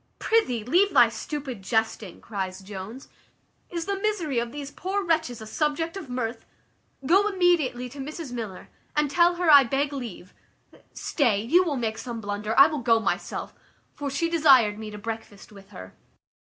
"Prithee, leave thy stupid jesting," cries Jones. "Is the misery of these poor wretches a subject of mirth? Go immediately to Mrs Miller, and tell her I beg leave Stay, you will make some blunder; I will go myself; for she desired me to breakfast with her."